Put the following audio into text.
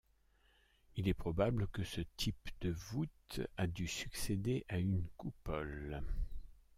Il est probable que ce type de voûte a dû succéder à une coupole.